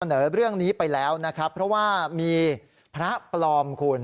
เรื่องนี้ไปแล้วนะครับเพราะว่ามีพระปลอมคุณ